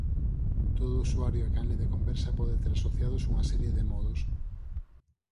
Todo usuario e canle de conversa pode ter asociados unha serie de modos.